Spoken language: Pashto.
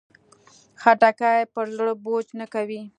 خټکی پر زړه بوج نه کوي.